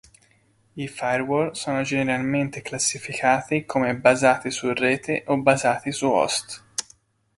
I firewall sono generalmente classificati come basati su rete o basati su host.